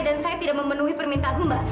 dan saya tidak memenuhi permintaan kamu